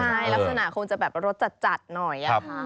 ใช่ลักษณะคงจะแบบรสจัดหน่อยค่ะ